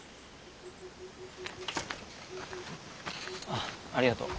あっありがとう。